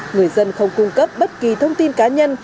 người dân không cung cấp bất kỳ thông tin cá nhân